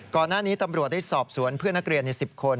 ก่อนหน้านี้ตำรวจได้สอบสวนเพื่อนนักเรียนใน๑๐คน